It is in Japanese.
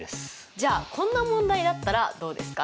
じゃあこんな問題だったらどうですか？